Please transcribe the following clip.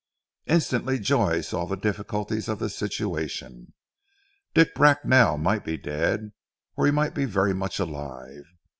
Instantly Joy saw the difficulties of the situation. Dick Bracknell might be dead, or he might be very much alive.